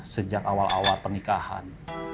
sejak awal awal pernikahan